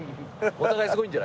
お互いすごいんじゃない？